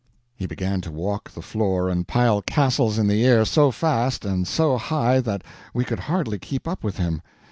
He began to walk the floor and pile castles in the air so fast and so high that we could hardly keep up with him.